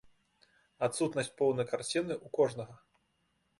Адсутнасць поўнай карціны ў кожнага.